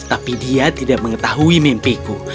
tapi dia tidak mengetahui mimpiku